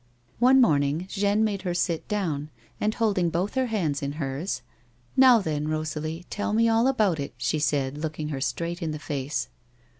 One morning Jeanne made her sit down, and holding both her hands in hers ;" Now then, Rosalie, tell me all about it," she said, look ing her straight in the face.